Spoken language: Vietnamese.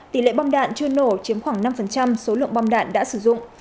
tỷ lệ bom đạn chưa nổ chiếm khoảng năm số lượng bom đạn đã sử dụng